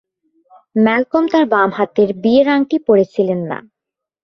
Malcolm তার বাম হাতের বিয়ের আংটি পড়েছিলেন না।